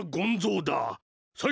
さい